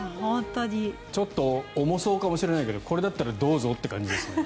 ちょっと重そうかもしれないけどこれだったらどうぞって感じですね。